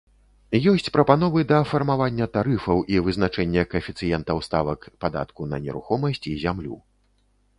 Ёсць прапановы да фармавання тарыфаў і вызначэння каэфіцыентаў ставак падатку на нерухомасць і зямлю.